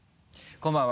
こんばんは。